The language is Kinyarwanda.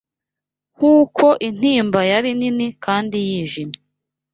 Nkuko intimba yari nini kandi yijimye